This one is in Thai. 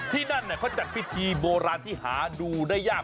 ที่นั่นเขาจัดพิธีโบราณที่หาดูได้ยาก